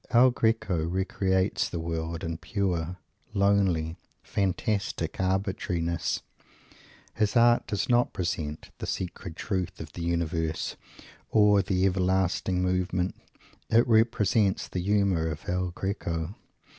El Greco re creates the world, in pure, lonely, fantastic arbitrariness. His art does not represent the secret Truth of the Universe, or the Everlasting Movement; it represents the humour of El Greco.